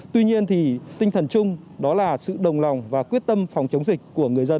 tuy nhiên tinh thần chung đó là sự đồng lòng và quyết tâm phòng chống dịch của người dân